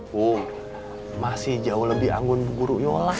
bu masih jauh lebih anggun bu guru yola